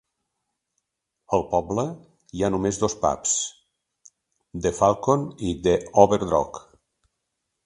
Al poble hi ha només dos pubs: "The Falcon" i "The Overdraught".